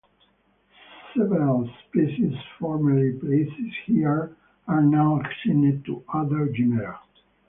Several species formerly placed here are now assigned to other genera.